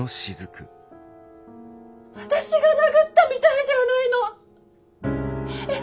私が殴ったみたいじゃあないのッ！！